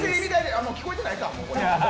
あ、聞こえてないか。